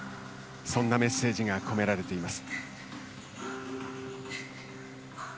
そんなメッセージが込められています。